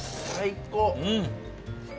最高。